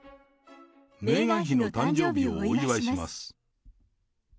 メーガン妃の誕生日をお祝いします。